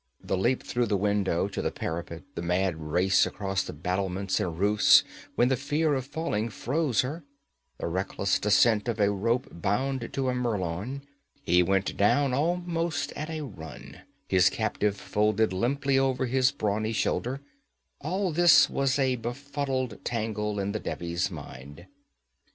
The leap through the window to the parapet, the mad race across battlements and roofs when the fear of falling froze her, the reckless descent of a rope bound to a merlon he went down almost at a run, his captive folded limply over his brawny shoulder all this was a befuddled tangle in the Devi's mind.